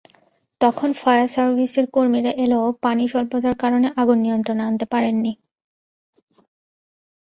তখন ফায়ার সার্ভিসের কর্মীরা এলেও পানিস্বল্পতার কারণে আগুন নিয়ন্ত্রণে আনতে পারেননি।